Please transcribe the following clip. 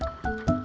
ya udah deh